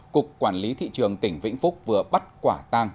cục quản lý thị trường tỉnh vĩnh phúc vừa bắt quả tang